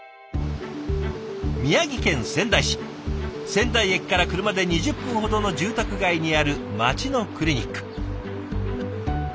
仙台駅から車で２０分ほどの住宅街にある町のクリニック。